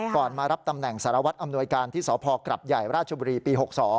พอมารับตำแหน่งสารวัตย์อำนวยการที่สพกลใหญ่รบลปี๖๒